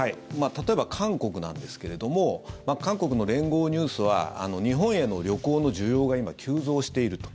例えば韓国なんですけれども韓国の連合ニュースは日本への旅行の需要が今、急増していると。